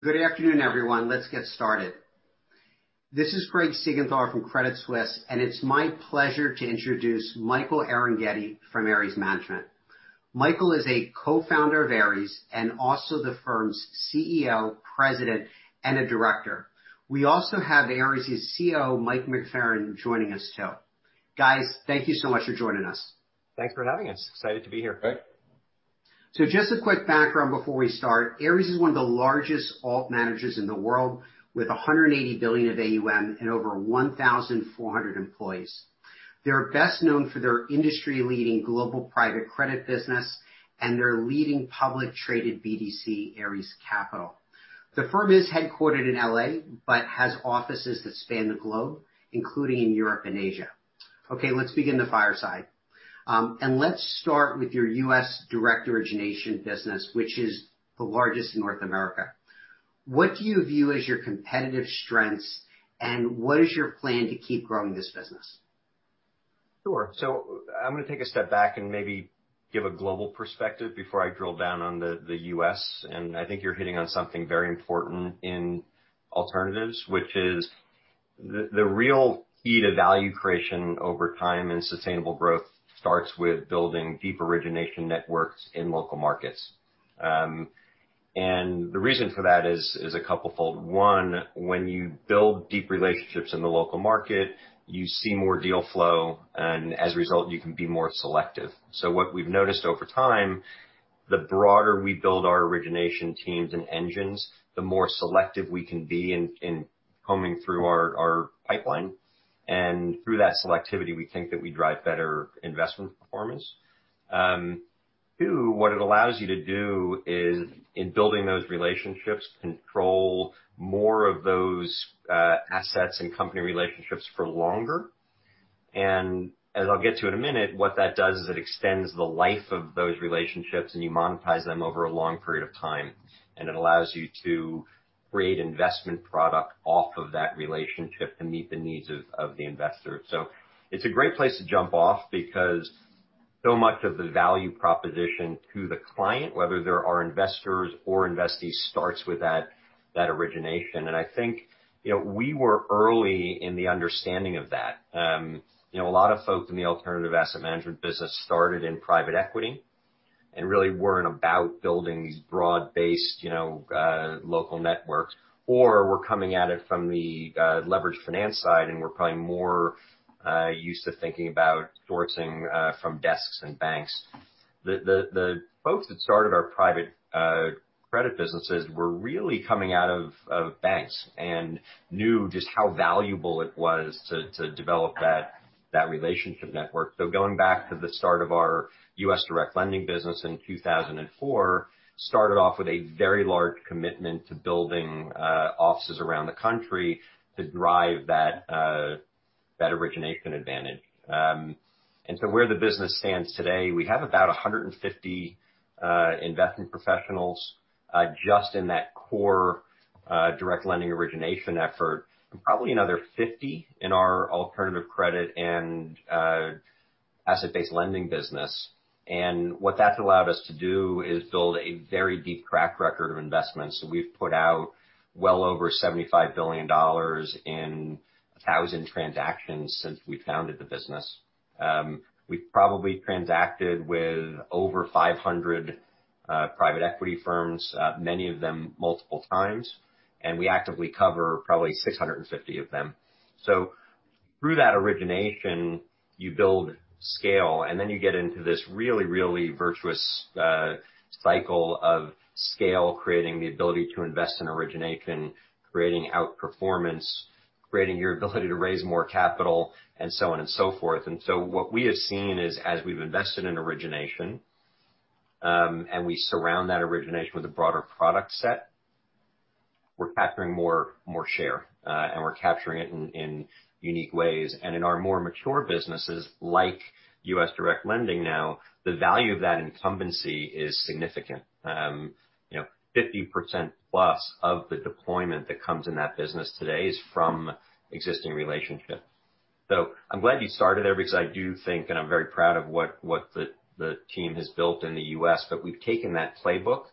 Good afternoon, everyone. Let's get started. This is Craig Siegenthaler from Credit Suisse, and it's my pleasure to introduce Michael Arougheti from Ares Management. Michael is a Co-Founder of Ares and also the firm's CEO, President, and a Director. We also have Ares' COO, Mike McFerran, joining us too. Guys, thank you so much for joining us. Thanks for having us. Excited to be here. Craig. Just a quick background before we start. Ares is one of the largest alt managers in the world with $180 billion of AUM and over 1,400 employees. They are best known for their industry-leading global private credit business and their leading public traded BDC, Ares Capital. The firm is headquartered in L.A., has offices that span the globe, including in Europe and Asia. Let's begin the fireside. Let's start with your U.S. direct origination business, which is the largest in North America. What do you view as Your competitive strengths, what is your plan to keep growing this business? Sure. I'm going to take a step back and maybe give a global perspective before I drill down on the U.S. I think you're hitting on something very important in alternatives, which is the real key to value creation over time and sustainable growth starts with building deep origination networks in local markets. The reason for that is a couple fold. One, when you build deep relationships in the local market, you see more deal flow, and as a result, you can be more selective. What we've noticed over time, the broader we build our origination teams and engines, the more selective we can be in combing through our pipeline. Through that selectivity, we think that we drive better investment performance. Two, what it allows you to do is, in building those relationships, control more of those assets and company relationships for longer. As I'll get to in a minute, what that does is it extends the life of those relationships, and you monetize them over a long period of time. It allows you to create investment product off of that relationship to meet the needs of the investor. It's a great place to jump off because so much of the value proposition to the client, whether they're our investors or investees, starts with that origination. I think we were early in the understanding of that. A lot of folks in the alternative asset management business started in private equity and really weren't about building these broad-based local networks, or were coming at it from the leveraged finance side and were probably more used to thinking about sourcing from desks and banks. The folks that started our private credit businesses were really coming out of banks and knew just how valuable it was to develop that relationship network. Going back to the start of our U.S. Direct Lending business in 2004, started off with a very large commitment to building offices around the country to drive that origination advantage. Where the business stands today, we have about 150 investment professionals just in that core direct lending origination effort, and probably another 50 in our alternative credit and asset-based lending business. What that's allowed us to do is build a very deep track record of investments. We've put out well over $75 billion in 1,000 transactions since we founded the business. We've probably transacted with over 500 private equity firms, many of them multiple times, and we actively cover probably 650 of them. Through that origination, you build scale, and then you get into this really virtuous cycle of scale, creating the ability to invest in origination, creating outperformance, creating your ability to raise more capital, and so on and so forth. What we have seen is as we've invested in origination, and we surround that origination with a broader product set, we're capturing more share, and we're capturing it in unique ways. In our more mature businesses, like U.S. Direct Lending now, the value of that incumbency is significant. 50%+ of the deployment that comes in that business today is from existing relationships. I'm glad you started there because I do think, and I'm very proud of what the team has built in the U.S., but we've taken that playbook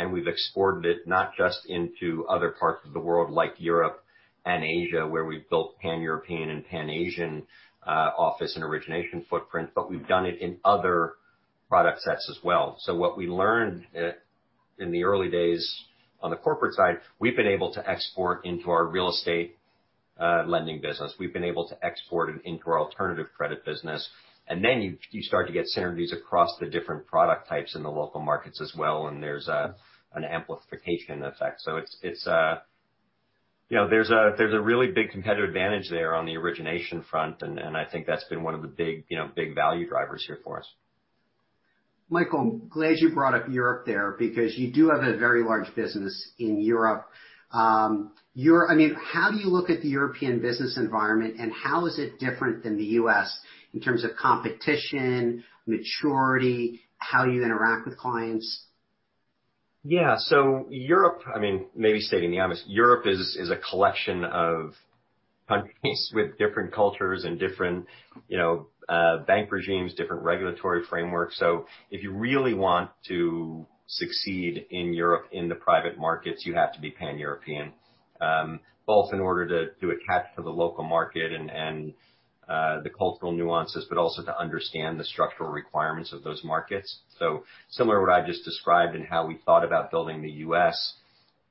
and we've exported it not just into other parts of the world like Europe and Asia, where we've built Pan-European and Pan-Asian office and origination footprints, but we've done it in other product sets as well. What we learned in the early days on the corporate side, we've been able to export into our real estate lending business. We've been able to export it into our alternative credit business. Then you start to get synergies across the different product types in the local markets as well, and there's an amplification effect. There's a really big competitive advantage there on the origination front, and I think that's been one of the big value drivers here for us. Michael, glad you brought up Europe there because you do have a very large business in Europe. How do you look at the European business environment, and how is it different than the U.S. in terms of competition, maturity, how you interact with clients? Yeah. Europe, maybe stating the obvious, Europe is a collection of countries with different cultures and different bank regimes, different regulatory frameworks. If you really want to succeed in Europe in the private markets, you have to be Pan-European, both in order to attach to the local market and the cultural nuances, but also to understand the structural requirements of those markets. Similar to what I've just described in how we thought about building the U.S.,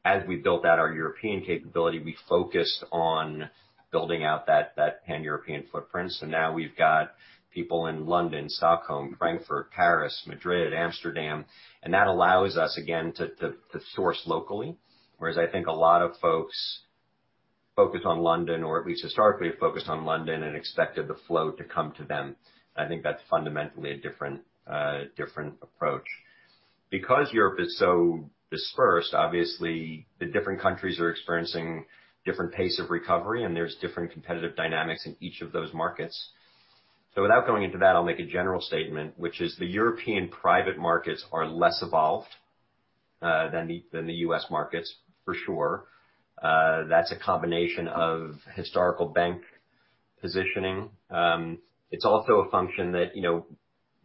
as we built out our European capability, we focused on building out that Pan-European footprint. Now we've got people in London, Stockholm, Frankfurt, Paris, Madrid, Amsterdam, and that allows us again, to source locally. Whereas I think a lot of folks focus on London or at least historically have focused on London and expected the flow to come to them. I think that's fundamentally a different approach. Because Europe is so dispersed, obviously, the different countries are experiencing different pace of recovery, and there's different competitive dynamics in each of those markets. Without going into that, I'll make a general statement, which is the European private markets are less evolved than the U.S. markets for sure. That's a combination of historical bank positioning. It's also a function that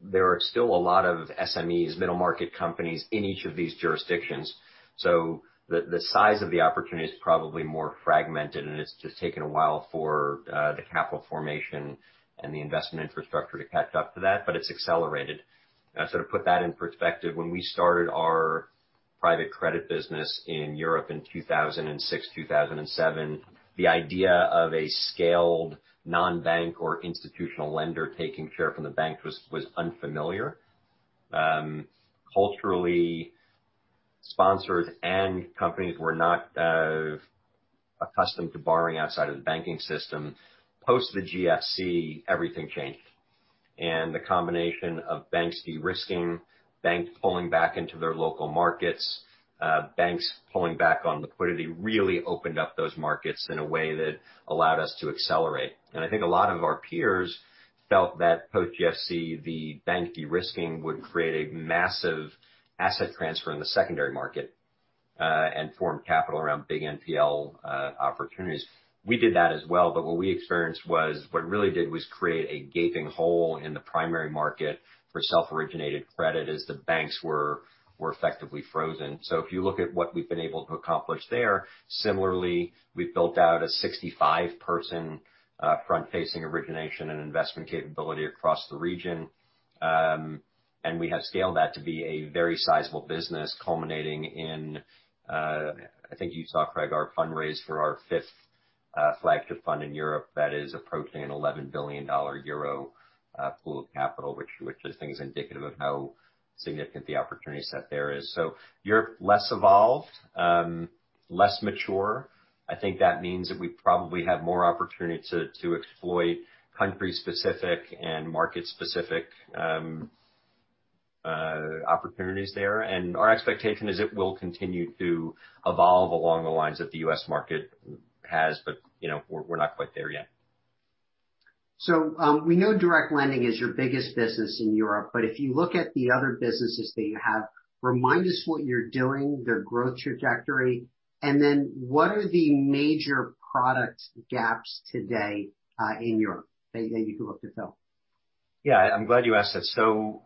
there are still a lot of SMEs, middle-market companies in each of these jurisdictions. The size of the opportunity is probably more fragmented, and it's just taken a while for the capital formation and the investment infrastructure to catch up to that, but it's accelerated. To put that in perspective, when we started our private credit business in Europe in 2006, 2007, the idea of a scaled non-bank or institutional lender taking share from the bank was unfamiliar. Culturally, sponsors and companies were not accustomed to borrowing outside of the banking system. Post the GFC, everything changed. The combination of banks de-risking, banks pulling back into their local markets, banks pulling back on liquidity, really opened up those markets in a way that allowed us to accelerate. I think a lot of our peers felt that post GFC, the bank de-risking would create a massive asset transfer in the secondary market, and form capital around big NPL opportunities. We did that as well, but what we experienced was, what it really did was create a gaping hole in the primary market for self-originated credit as the banks were effectively frozen. If you look at what we've been able to accomplish there, similarly, we've built out a 65-person front-facing origination and investment capability across the region. We have scaled that to be a very sizable business culminating in, I think you saw, Craig, our fundraise for our fifth flagship fund in Europe that is approaching an 11 billion euro pool of capital, which I think is indicative of how significant the opportunity set there is. Europe, less evolved, less mature. I think that means that we probably have more opportunity to exploit country-specific and market-specific opportunities there. Our expectation is it will continue to evolve along the lines that the U.S. market has. We're not quite there yet. We know Direct Lending is your biggest business in Europe, but if you look at the other businesses that you have, remind us what you're doing, their growth trajectory, and then what are the major product gaps today in Europe that you can look to fill? Yeah, I'm glad you asked that.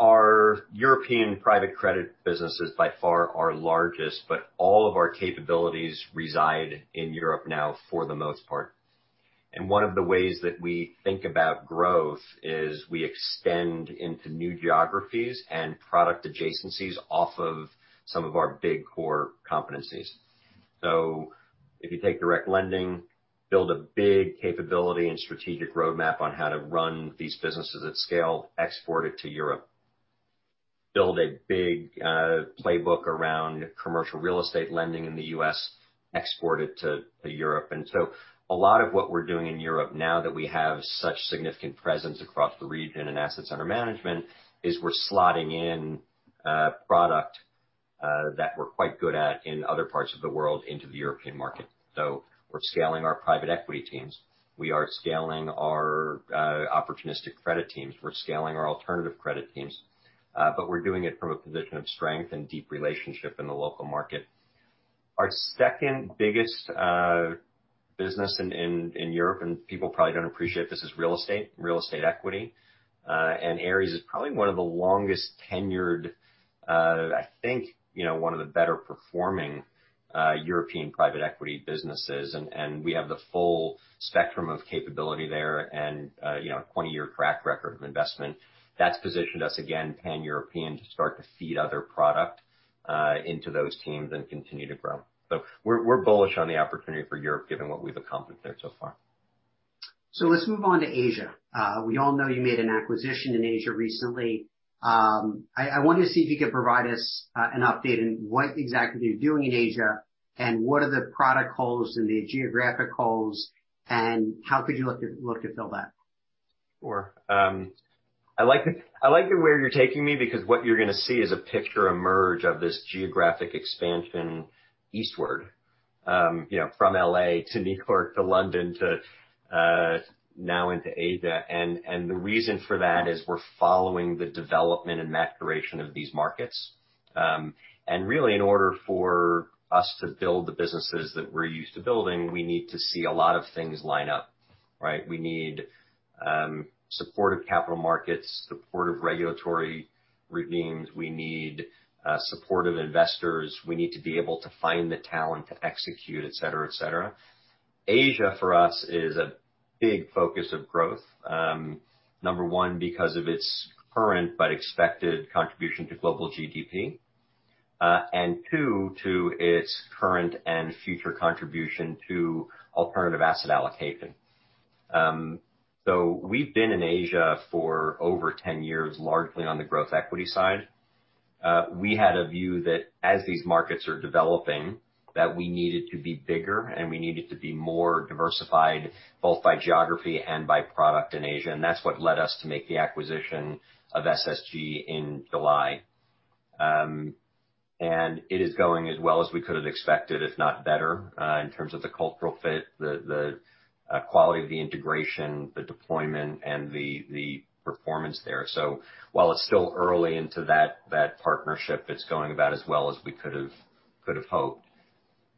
Our European private credit business is by far our largest, but all of our capabilities reside in Europe now for the most part. One of the ways that we think about growth is we extend into new geographies and product adjacencies off of some of our big core competencies. If you take Direct Lending, build a big capability and strategic roadmap on how to run these businesses at scale, export it to Europe. Build a big playbook around commercial real estate lending in the U.S., export it to Europe. A lot of what we're doing in Europe now that we have such significant presence across the region and assets under management is we're slotting in product that we're quite good at in other parts of the world into the European market. We're scaling our private equity teams. We are scaling our opportunistic credit teams. We're scaling our alternative credit teams. We're doing it from a position of strength and deep relationship in the local market. Our second biggest business in Europe, and people probably don't appreciate this, is real estate, Real Estate Equity. Ares is probably one of the longest-tenured, I think one of the better-performing European private equity businesses. We have the full spectrum of capability there and a 20-year track record of investment. That's positioned us, again, Pan-European, to start to feed other product into those teams and continue to grow. We're bullish on the opportunity for Europe, given what we've accomplished there so far. Let's move on to Asia. We all know you made an acquisition in Asia recently. I wanted to see if you could provide us an update in what exactly you're doing in Asia, and what are the product holes and the geographic holes, and how could you look to fill that? Sure. I like where you're taking me because what you're going to see is a picture emerge of this geographic expansion eastward. From L.A. to New York to London to now into Asia. The reason for that is we're following the development and maturation of these markets. Really, in order for us to build the businesses that we're used to building, we need to see a lot of things line up. We need supportive capital markets, supportive regulatory regimes. We need supportive investors. We need to be able to find the talent to execute, et cetera. Asia, for us, is a big focus of growth, number one, because of its current but expected contribution to global GDP, and two, to its current and future contribution to alternative asset allocation. We've been in Asia for over 10 years, largely on the growth equity side. We had a view that as these markets are developing, that we needed to be bigger, and we needed to be more diversified, both by geography and by product in Asia. That's what led us to make the acquisition of SSG in July. It is going as well as we could have expected, if not better, in terms of the cultural fit, the quality of the integration, the deployment, and the performance there. While it's still early into that partnership, it's going about as well as we could've hoped.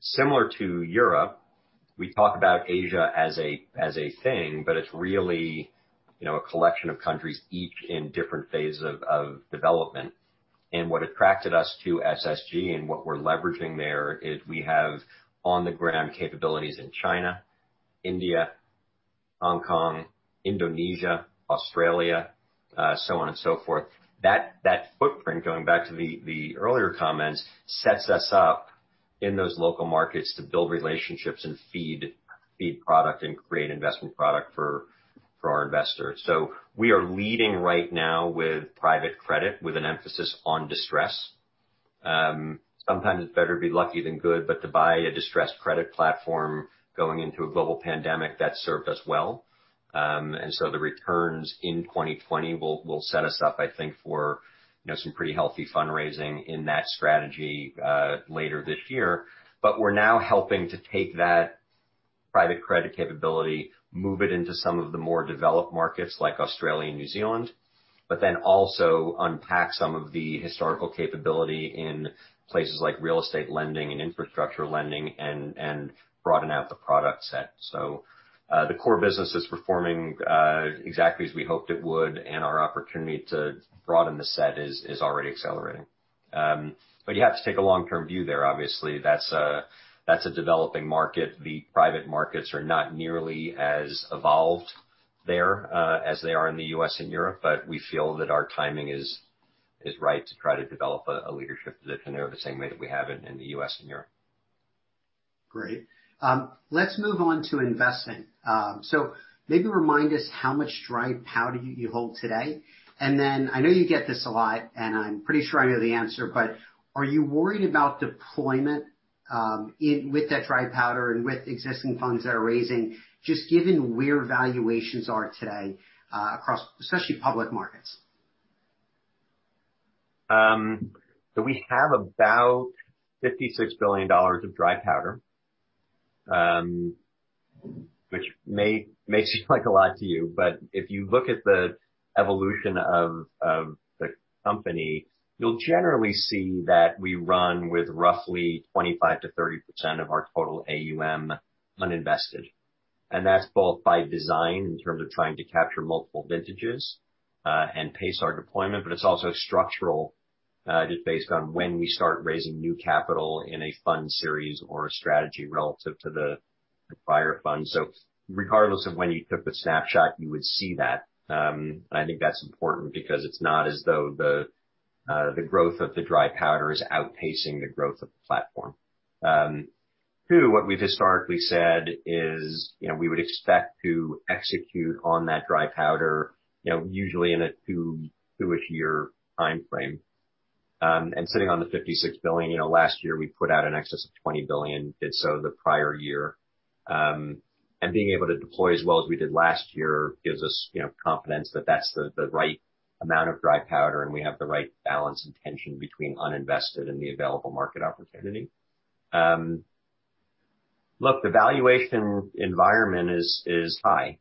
Similar to Europe, we talk about Asia as a thing, but it's really a collection of countries, each in different phases of development. What attracted us to SSG, and what we're leveraging there, is we have on-the-ground capabilities in China, India, Hong Kong, Indonesia, Australia, so on and so forth. That footprint, going back to the earlier comments, sets us up in those local markets to build relationships and feed product and create investment product for our investors. We are leading right now with private credit, with an emphasis on distress. Sometimes it's better to be lucky than good, but to buy a distressed credit platform going into a global pandemic, that served us well. The returns in 2020 will set us up, I think, for some pretty healthy fundraising in that strategy later this year. We're now helping to take that private credit capability, move it into some of the more developed markets like Australia and New Zealand, but then also unpack some of the historical capability in places like real estate lending and infrastructure lending, and broaden out the product set. The core business is performing exactly as we hoped it would, and our opportunity to broaden the set is already accelerating. You have to take a long-term view there, obviously. That's a developing market. The private markets are not nearly as evolved there as they are in the U.S. and Europe. We feel that our timing is right to try to develop a leadership position there the same way that we have in the U.S. and Europe. Great. Let's move on to investing. Maybe remind us how much dry powder you hold today? Then I know you get this a lot, and I'm pretty sure I know the answer, but are you worried about deployment with that dry powder and with existing funds that are raising, just given where valuations are today across especially public markets? We have about $56 billion of dry powder, which may seem like a lot to you, but if you look at the evolution of the company, you'll generally see that we run with roughly 25%-30% of our total AUM uninvested. That's both by design, in terms of trying to capture multiple vintages and pace our deployment, but it's also structural, just based on when we start raising new capital in a fund series or a strategy relative to the prior fund. Regardless of when you took the snapshot, you would see that. I think that's important because it's not as though the growth of the dry powder is outpacing the growth of the platform. Two, what we've historically said is we would expect to execute on that dry powder usually in a two-ish year timeframe. Sitting on the $56 billion, last year we put out in excess of $20 billion, did so the prior year. Being able to deploy as well as we did last year gives us confidence that that's the right amount of dry powder, and we have the right balance and tension between uninvested and the available market opportunity. Look, the valuation environment is high.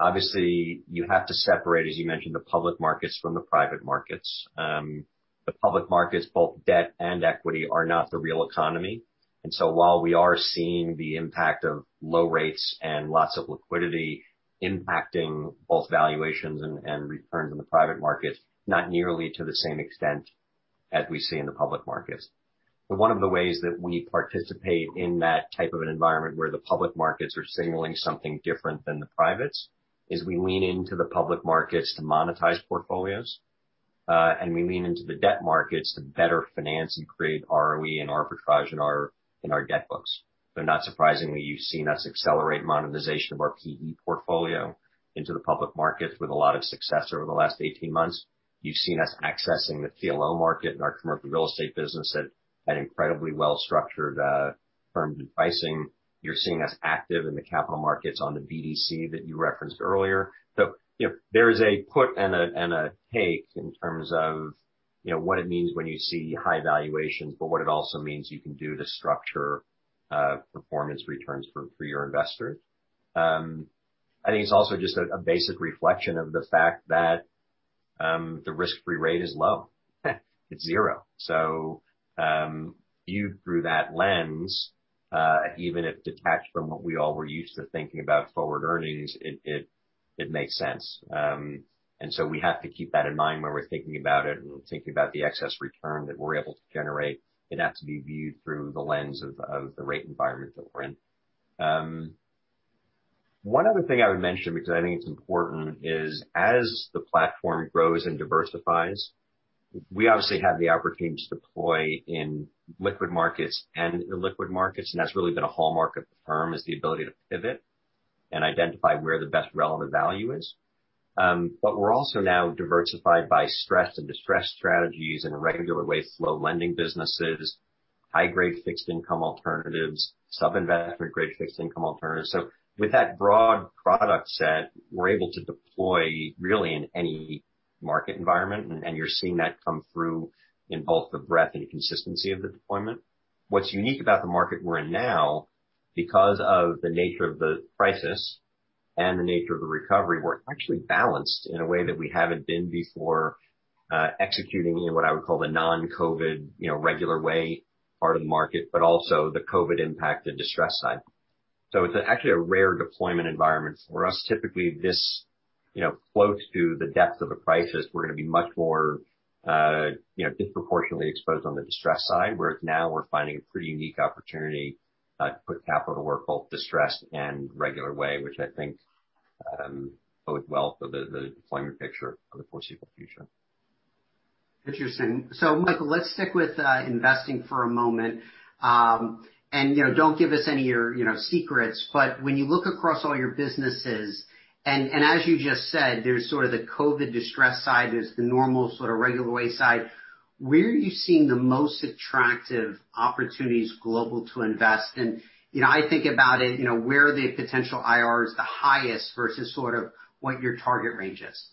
Obviously, you have to separate, as you mentioned, the public markets from the private markets. The public markets, both debt and equity, are not the real economy. While we are seeing the impact of low rates and lots of liquidity impacting both valuations and returns in the private markets, not nearly to the same extent as we see in the public markets. One of the ways that we participate in that type of an environment where the public markets are signaling something different than the privates, is we lean into the public markets to monetize portfolios. We lean into the debt markets to better finance and create ROE and arbitrage in our debt books. Not surprisingly, you've seen us accelerate monetization of our PE portfolio into the public markets with a lot of success over the last 18 months. You've seen us accessing the CLO market and our commercial real estate business at incredibly well-structured terms and pricing. You're seeing us active in the capital markets on the BDC that you referenced earlier. There is a put and a take in terms of what it means when you see high valuations, but what it also means you can do to structure performance returns for your investors. I think it's also just a basic reflection of the fact that the risk-free rate is low. It's zero. Viewed through that lens, even if detached from what we all were used to thinking about forward earnings, it makes sense. We have to keep that in mind when we're thinking about it and thinking about the excess return that we're able to generate. It has to be viewed through the lens of the rate environment that we're in. One other thing I would mention, because I think it's important, is as the platform grows and diversifies, we obviously have the opportunity to deploy in liquid markets and illiquid markets, and that's really been a hallmark of the firm, is the ability to pivot and identify where the best relevant value is. We're also now diversified by stressed and distressed strategies and regular way flow lending businesses, high-grade fixed income alternatives, sub-investment grade fixed income alternatives. With that broad product set, we're able to deploy really in any market environment, and you're seeing that come through in both the breadth and consistency of the deployment. What's unique about the market we're in now, because of the nature of the crisis and the nature of the recovery, we're actually balanced in a way that we haven't been before, executing in what I would call the non-COVID, regular way part of the market, but also the COVID impact and distressed side. It's actually a rare deployment environment for us. Typically, this floats to the depths of a crisis. We're going to be much more disproportionately exposed on the distressed side, whereas now we're finding a pretty unique opportunity to put capital to work, both distressed and regular way, which I think bodes well for the deployment picture for the foreseeable future. Interesting. Michael, let's stick with investing for a moment. Don't give us any of your secrets, but when you look across all your businesses and as you just said, there's sort of the COVID distressed side, there's the normal sort of regular way side. Where are you seeing the most attractive opportunities global to invest in? I think about it, where the potential IRR is the highest versus sort of what your target range is.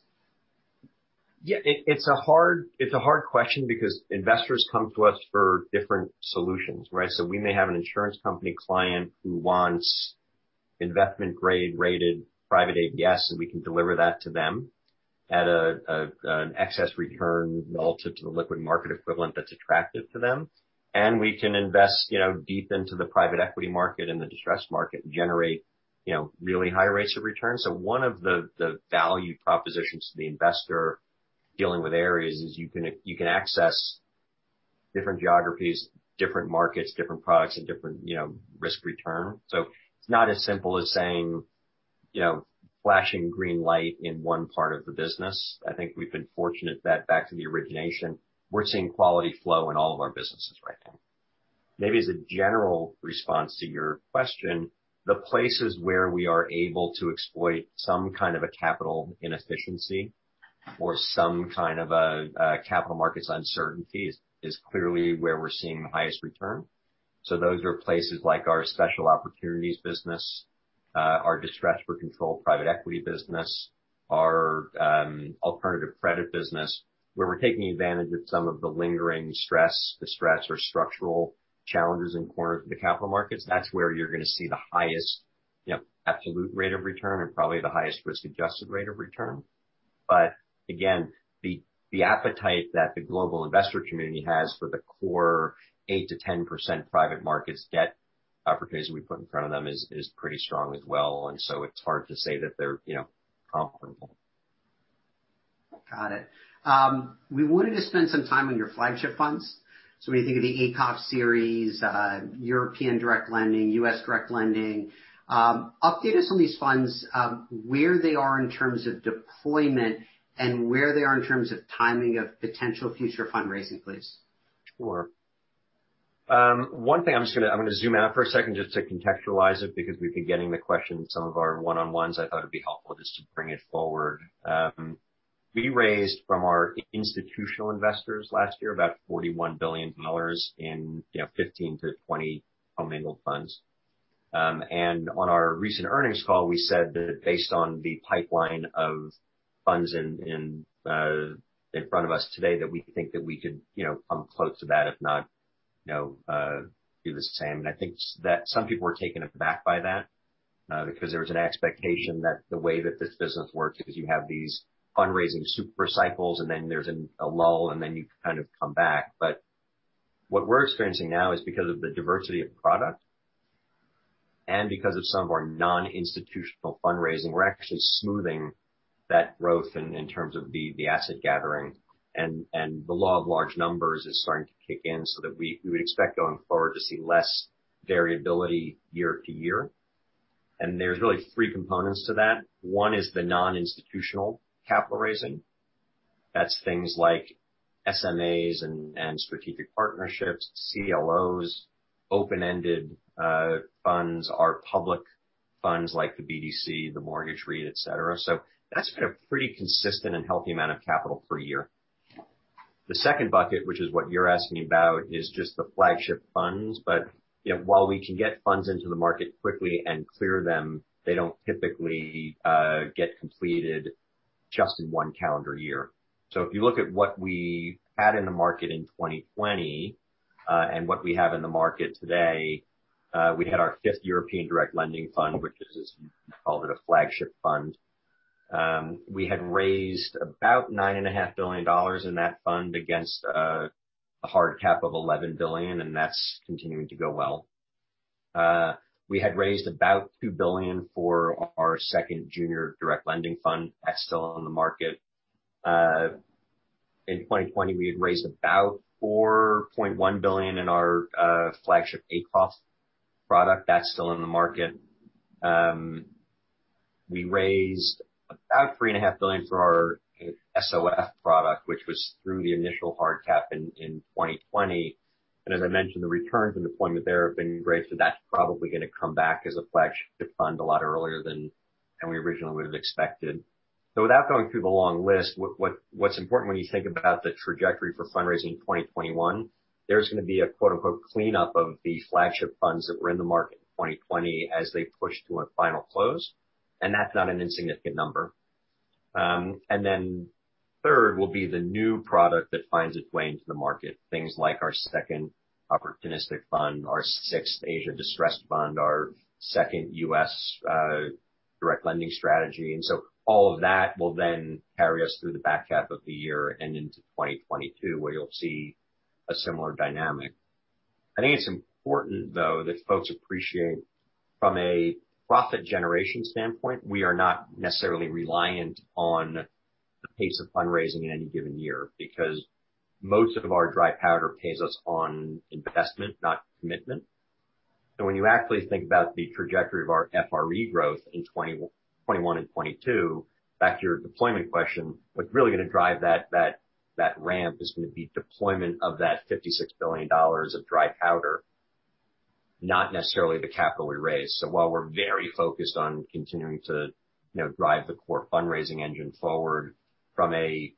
Yeah. It's a hard question because investors come to us for different solutions, right? We may have an insurance company client who wants investment grade rated private ABS, and we can deliver that to them at an excess return relative to the liquid market equivalent that's attractive to them. We can invest deep into the private equity market and the distressed market and generate really high rates of return. One of the value propositions to the investor dealing with Ares is you can access different geographies, different markets, different products, and different risk return. It's not as simple as saying, flashing green light in one part of the business. I think we've been fortunate that back to the origination, we're seeing quality flow in all of our businesses right now. Maybe as a general response to your question, the places where we are able to exploit some kind of a capital inefficiency or some kind of a capital markets uncertainty is clearly where we're seeing the highest return. Those are places like our special opportunities business, our distressed for control private equity business, our alternative credit business. Where we're taking advantage of some of the lingering stress, distress, or structural challenges in corners of the capital markets, that's where you're going to see the highest absolute rate of return and probably the highest risk-adjusted rate of return. Again, the appetite that the global investor community has for the core 8%-10% private markets debt opportunity we put in front of them is pretty strong as well. It's hard to say that they're comparable. Got it. We wanted to spend some time on your flagship funds. When you think of the ACOF series, European Direct Lending, U.S. Direct Lending. Update us on these funds, where they are in terms of deployment and where they are in terms of timing of potential future fundraising, please. Sure. One thing, I'm going to zoom out for a second just to contextualize it, because we've been getting the question in some of our one-on-ones. I thought it'd be helpful just to bring it forward. We raised from our institutional investors last year about $41 billion in 15-20 commingled funds. On our recent earnings call, we said that based on the pipeline of funds in front of us today, that we think that we could come close to that, if not do the same. I think that some people were taken aback by that because there was an expectation that the way that this business works is you have these fundraising super cycles, then there's a lull, then you kind of come back. What we're experiencing now is because of the diversity of product and because of some of our non-institutional fundraising, we're actually smoothing that growth in terms of the asset gathering. The law of large numbers is starting to kick in so that we would expect going forward to see less variability year-to-year. There's really three components to that. One is the non-institutional capital raising. That's things like SMAs and strategic partnerships, CLOs, open-ended funds, our public funds like the BDC, the mortgage REIT, et cetera. That's been a pretty consistent and healthy amount of capital per year. The second bucket, which is what you're asking about, is just the flagship funds. While we can get funds into the market quickly and clear them, they don't typically get completed just in one calendar year. If you look at what we had in the market in 2020, and what we have in the market today, we had our fifth European Direct Lending fund, which is called a flagship fund. We had raised about $9.5 billion in that fund against a hard cap of $11 billion, and that's continuing to go well. We had raised about $2 billion for our second junior Direct Lending fund. That's still on the market. In 2020, we had raised about $4.1 billion in our flagship ARCC product, that's still in the market. We raised about $3.5 billion for our SSF product, which was through the initial hard cap in 2020. As I mentioned, the returns and deployment there have been great, so that's probably going to come back as a flagship fund a lot earlier than we originally would have expected. Without going through the long list, what's important when you think about the trajectory for fundraising in 2021, there's going to be a quote unquote, cleanup of the flagship funds that were in the market in 2020 as they push to a final close, and that's not an insignificant number. Then third will be the new product that finds its way into the market. Things like our second opportunistic fund, our sixth Asia Distressed Fund, our second U.S. Direct Lending strategy. All of that will then carry us through the back half of the year and into 2022, where you'll see a similar dynamic. I think it's important, though, that folks appreciate from a profit generation standpoint, we are not necessarily reliant on the pace of fundraising in any given year because most of our dry powder pays us on investment, not commitment. When you actually think about the trajectory of our FRE growth in 2021 and 2022, back to your deployment question, what's really going to drive that ramp is going to be deployment of that $56 billion of dry powder, not necessarily the capital we raise. While we're very focused on continuing to drive the core fundraising engine forward from a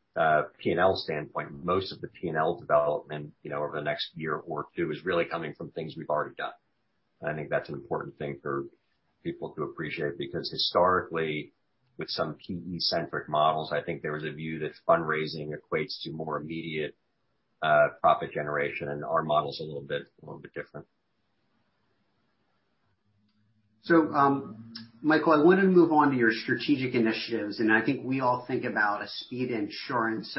P&L standpoint, most of the P&L development over the next year or two is really coming from things we've already done. I think that's an important thing for people to appreciate, because historically, with some PE-centric models, I think there was a view that fundraising equates to more immediate profit generation. Our model is a little bit different. Michael, I want to move on to your strategic initiatives, and I think we all think about Aspida Insurance.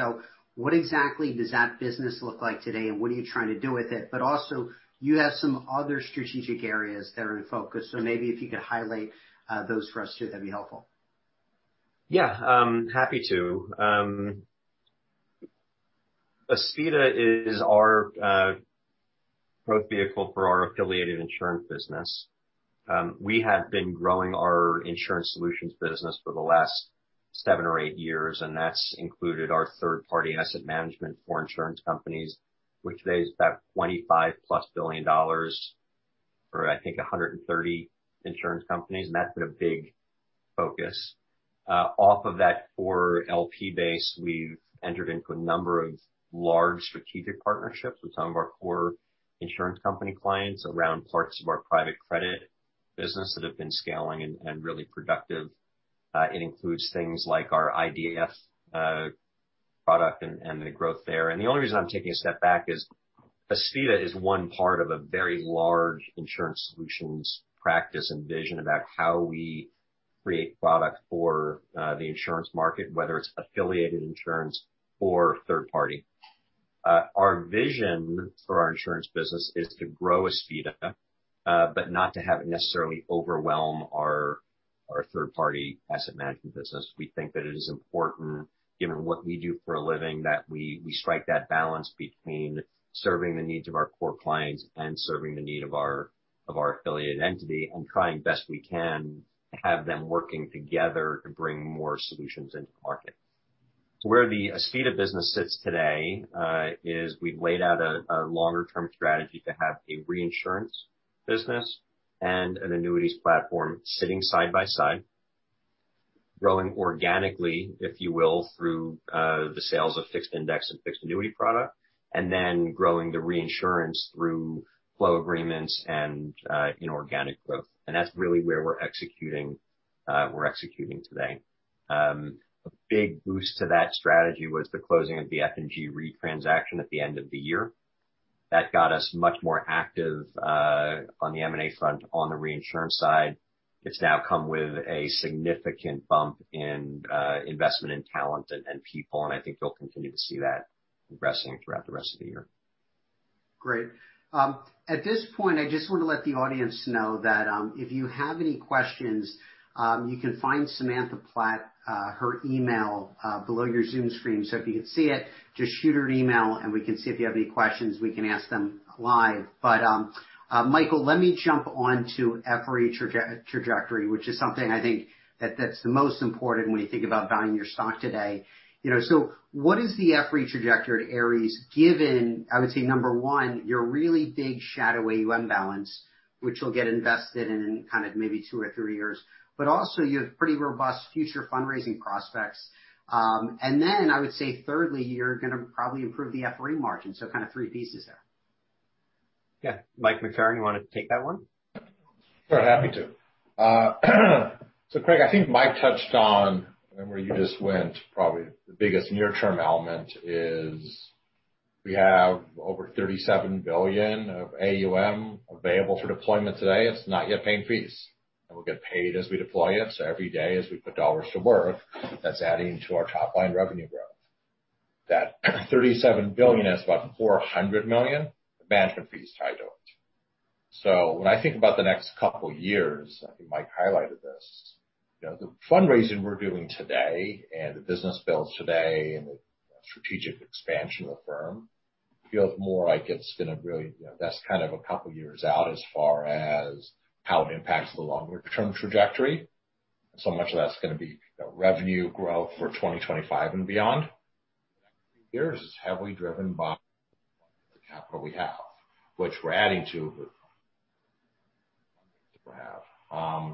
What exactly does that business look like today, and what are you trying to do with it? You have some other strategic areas that are in focus, so maybe if you could highlight those for us too, that'd be helpful. Yeah. I'm happy to. Aspida is our growth vehicle for our affiliated insurance business. We have been growing our insurance solutions business for the last seven or eight years, and that's included our third-party asset management for insurance companies, which today is about $25+ billion for, I think, 130 insurance companies, and that's been a big focus. Off of that core LP base, we've entered into a number of large strategic partnerships with some of our core insurance company clients around parts of our private credit business that have been scaling and really productive. It includes things like our IDF product and the growth there. The only reason I'm taking a step back is Aspida is one part of a very large insurance solutions practice and vision about how we create product for the insurance market, whether it's affiliated insurance or third party. Our vision for our insurance business is to grow Aspida, but not to have it necessarily overwhelm our third-party asset management business. We think that it is important, given what we do for a living, that we strike that balance between serving the needs of our core clients and serving the need of our affiliated entity and trying best we can to have them working together to bring more solutions into the market. Where the Aspida business sits today, is we've laid out a longer-term strategy to have a reinsurance business and an annuities platform sitting side by side, growing organically, if you will, through the sales of fixed index and fixed annuity product, then growing the reinsurance through flow agreements and inorganic growth. That's really where we're executing, we're executing today. A big boost to that strategy was the closing of the F&G Reinsurance transaction at the end of the year. That got us much more active on the M&A front on the reinsurance side. It's now come with a significant bump in investment in talent and people, and I think you'll continue to see that progressing throughout the rest of the year. Great. At this point, I just want to let the audience know that if you have any questions, you can find Samantha Platt, her email, below your Zoom screen. If you can see it, just shoot her an email and we can see if you have any questions, we can ask them live. Michael, let me jump on to FRE trajectory, which is something I think that's the most important when you think about valuing your stock today. What is the FRE trajectory at Ares given, I would say number one, your really big shadow AUM balance, which you'll get invested in kind of maybe two or three years, but also you have pretty robust future fundraising prospects. I would say thirdly, you're going to probably improve the FRE margin. Kind of three pieces there. Yeah. Mike McFerran, you want to take that one? Sure. Happy to. Craig, I think Mike touched on, and where you just went, probably the biggest near-term element is we have over $37 billion of AUM available for deployment today. It's not yet paying fees, we'll get paid as we deploy it. Every day, as we put dollars to work, that's adding to our top-line revenue growth. That $37 billion has about $400 million of management fees tied to it. When I think about the next couple years, I think Mike highlighted this, the fundraising we're doing today and the business builds today and the strategic expansion of the firm feels more like that's kind of a couple years out as far as how it impacts the longer-term trajectory. Much of that's going to be revenue growth for 2025 and beyond. Here, this is heavily driven by the capital we have, which we're adding to we have.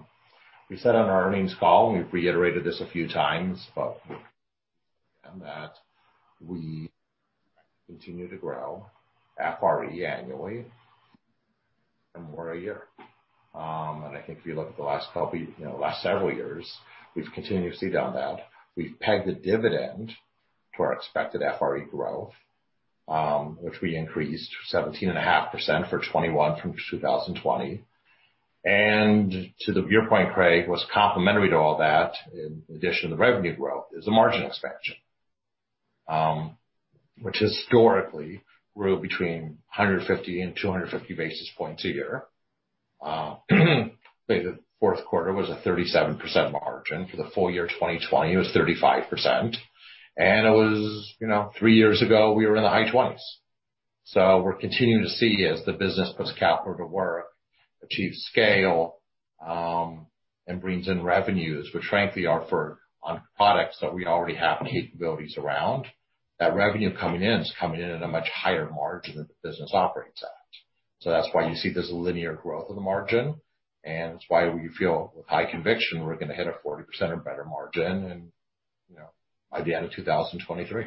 We said on our earnings call, and we've reiterated this a few times, but again, that we continue to grow FRE annually and more a year. I think if you look at the last several years, we've continuously done that. We've pegged the dividend to our expected FRE growth, which we increased 17.5% for 2021 from 2020. To your point, Craig, what's complementary to all that, in addition to the revenue growth, is the margin expansion, which historically grew between 150 and 250 basis points a year. The fourth quarter was a 37% margin. For the full year 2020, it was 35%. It was three years ago we were in the high 20s. We're continuing to see as the business puts capital to work, achieves scale, and brings in revenues, which frankly are for on products that we already have capabilities around. That revenue coming in is coming in at a much higher margin than the business operates at. That's why you see this linear growth of the margin, and it's why we feel with high conviction we're going to hit a 40% or better margin and by the end of 2023.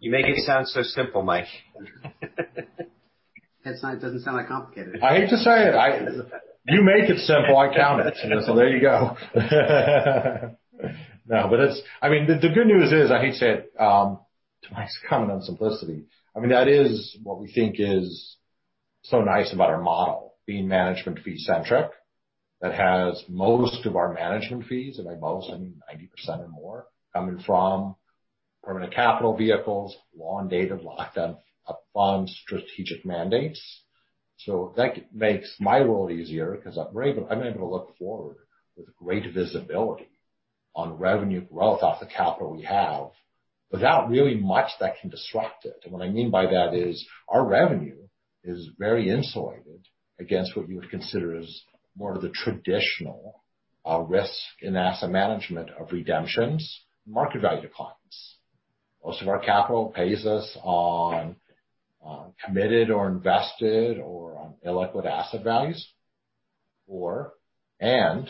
You make it sound so simple, Mike. It doesn't sound that complicated. I hate to say it. You make it simple. I count it. There you go. No. The good news is, I hate to say it, to Mike's comment on simplicity, that is what we think is so nice about our model being management fee centric that has most of our management fees, and by most I mean 90% or more, coming from permanent capital vehicles, long dated, locked up on strategic mandates. That makes my role easier because I'm able to look forward with great visibility on revenue growth off the capital we have without really much that can disrupt it. What I mean by that is our revenue is very insulated against what you would consider as more of the traditional risk in asset management of redemptions and market value declines. Most of our capital pays us on committed or invested or on illiquid asset values, or, and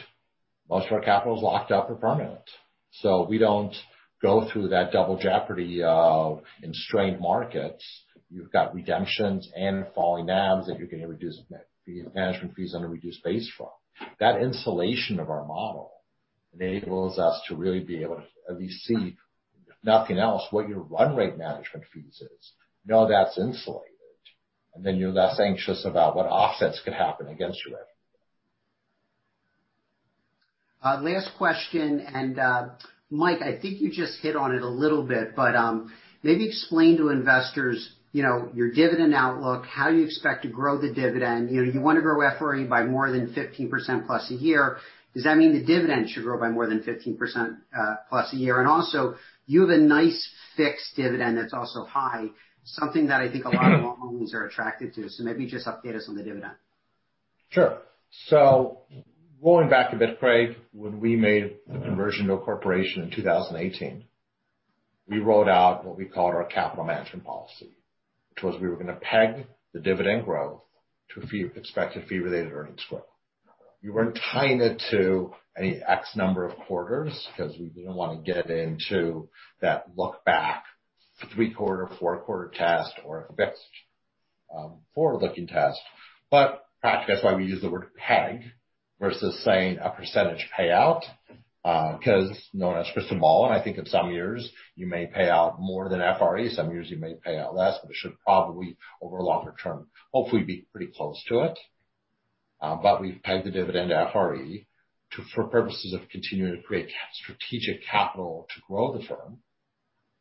most of our capital is locked up or permanent. We don't go through that double jeopardy of in strained markets you've got redemptions and falling NAVs that you're getting management fees on a reduced base from. That insulation of our model enables us to really be able to at least see if nothing else, what your run rate management fees is. You know that's insulated, and then you're less anxious about what offsets could happen against your revenue. Last question. Mike, I think you just hit on it a little bit, maybe explain to investors your dividend outlook, how you expect to grow the dividend. You want to grow FRE by more than 15%+ a year. Does that mean the dividend should grow by more than 15%+ a year? Also you have a nice fixed dividend that's also high, something that I think a lot of long-onlys are attracted to. Maybe just update us on the dividend. Sure. Going back a bit, Craig, when we made the conversion to a corporation in 2018, we rolled out what we called our capital management policy, which was we were going to peg the dividend growth to expected fee related earnings growth. We weren't tying it to any X number of quarters because we didn't want to get into that look back three quarter, four quarter test or a fixed forward-looking test. In practice, that's why we use the word peg versus saying a percentage payout, because first of all, and I think in some years you may pay out more than FRE, some years you may pay out less, but it should probably over longer term, hopefully be pretty close to it. We've pegged the dividend to FRE for purposes of continuing to create strategic capital to grow the firm.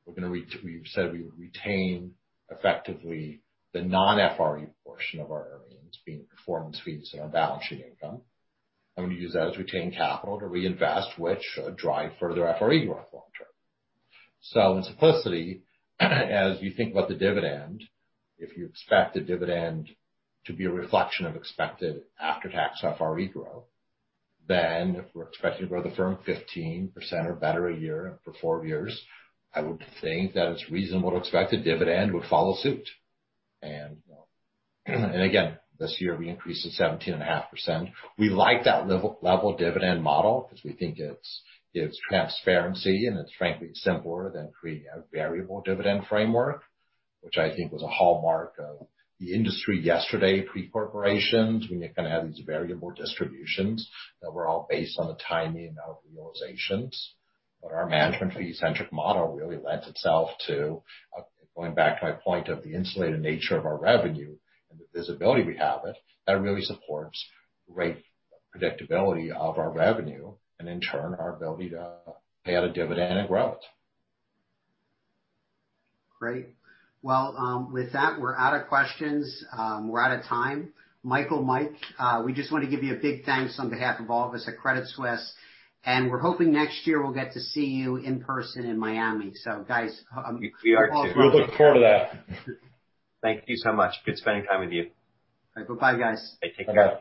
We've said we would retain effectively the non-FRE portion of our earnings being performance fees and our balance sheet income, and we use that as retained capital to reinvest, which should drive further FRE growth long term. In simplicity, as you think about the dividend, if you expect the dividend to be a reflection of expected after-tax FRE growth, then if we're expecting to grow the firm 15% or better a year for four years, I would think that it's reasonable to expect the dividend would follow suit. Again, this year we increased it 17.5%. We like that level dividend model because we think its transparency and it's frankly simpler than creating a variable dividend framework, which I think was a hallmark of the industry yesterday, pre-corporations, when you kind of had these variable distributions that were all based on the timing of realizations. Our management fee-centric model really lends itself to going back to my point of the insulated nature of our revenue and the visibility we have it, that really supports great predictability of our revenue and in turn our ability to pay out a dividend and grow it. Great. Well, with that, we're out of questions. We're out of time. Michael, Mike, we just want to give you a big thanks on behalf of all of us at Credit Suisse, and we're hoping next year we'll get to see you in person in Miami. We are too. We look forward to that. Thank you so much. Good spending time with you. All right. Bye guys. Take care.